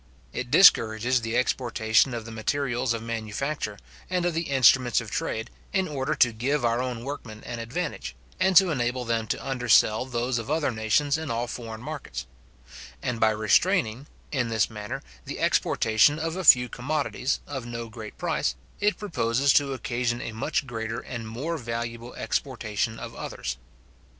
It discourages the exportation of the materials of manufacture, and of the instruments of trade, in order to give our own workmen an advantage, and to enable them to undersell those of other nations in all foreign markets; and by restraining, in this manner, the exportation of a few commodities, of no great price, it proposes to occasion a much greater and more valuable exportation of others.